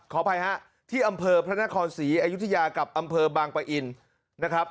ขออภัยฮะที่อำเภอพระนครศรีอยุธยากับอำเภอบางปะอินนะครับ